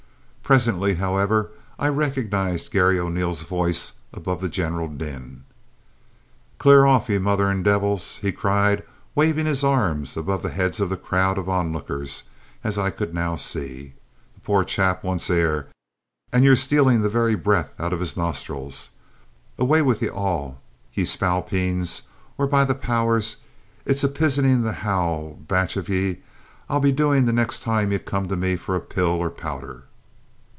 Presently however, I recognised Garry O'Neil's voice above the general din. "Clear off, ye murthorin' divvles!" he cried, waving his arms above the heads of the crowd of onlookers, as I could now see. "The poor chap wants air, and ye're stayling the viry br'ith out of his nosshrils! Away wid ye all, ye spalpeens! or by the powers, it's a pizening the howl batch of ye I'll be doin' the next toime ye comes to me for pill or powdher!"